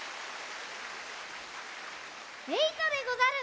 えいとでござる！